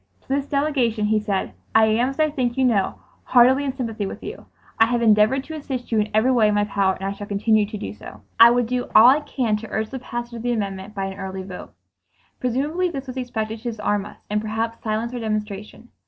To this delegation he said, "I am, as I think you know, heartily in sympathy with you. I have endeavored to assist you in every way in my power, and I shall continue to do so. I will do all I can to urge the passage of the amendment by an early vote." Presumably this was expected to disarm us and perhaps silence our demonstration.